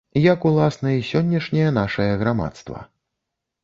Як, уласна, і сённяшняе нашае грамадства.